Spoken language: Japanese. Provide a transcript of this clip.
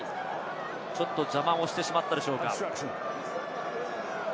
ちょっと邪魔をしてしまったでしょうか？